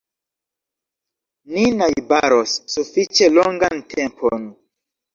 Ni najbaros sufiĉe longan tempon.